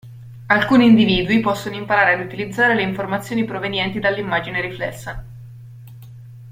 Alcuni individui possono imparare ad utilizzare le informazioni provenienti dell'immagine riflessa.